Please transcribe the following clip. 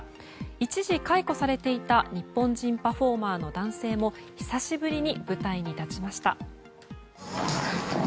一時解雇されていた日本人パフォーマーの男性も久しぶりに舞台に立ちました。